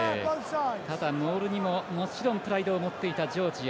ただモールにも、もちろんプライドを持っていたジョージア。